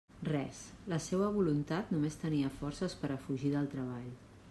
Res; la seua voluntat només tenia forces per a fugir del treball.